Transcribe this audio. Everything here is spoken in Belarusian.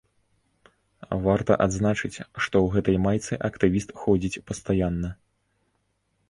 Варта адзначыць, што ў гэтай майцы актывіст ходзіць пастаянна.